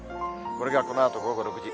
これがこのあと午後６時。